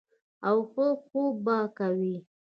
او ښۀ خوب به کوي -